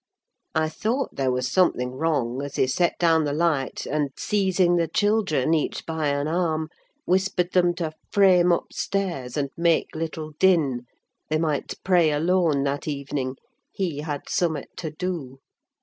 I thought there was something wrong as he set down the light; and seizing the children each by an arm, whispered them to "frame upstairs, and make little din—they might pray alone that evening—he had summut to do."